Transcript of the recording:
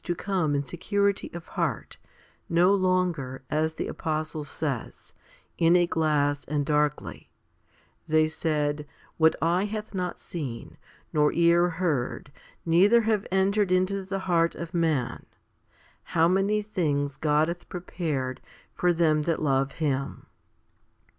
HOMILY XXXVII 253 to come in security of heart, no longer, as the apostle says, in a glass, and darkly, 1 they said what eye hath not seen, nor ear heard, neither have entered into the heart of man, how many things God hath prepared for them that love Him.